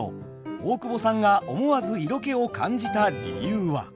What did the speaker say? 大久保さんが思わず色気を感じた理由は。